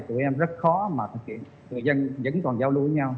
tụi em rất khó mà thực hiện tụi em vẫn còn giao lưu với nhau